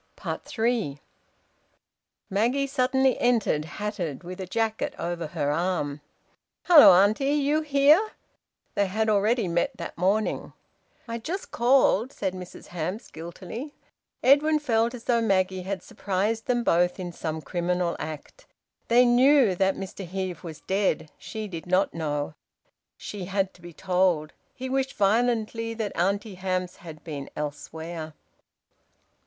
Three. Maggie suddenly entered, hatted, with a jacket over her arm. "Hello, auntie, you here!" They had already met that morning. "I just called," said Mrs Hamps guiltily. Edwin felt as though Maggie had surprised them both in some criminal act. They knew that Mr Heve was dead. She did not know. She had to be told. He wished violently that Auntie Hamps had been elsewhere.